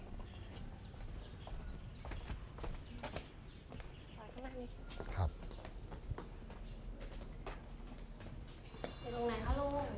ตรงไหนคะลุง